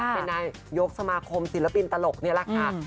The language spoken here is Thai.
เป็นนายยกสมาคมศิลปินตลกนี่แหละค่ะ